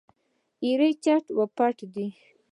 يره چټ و پټ دی.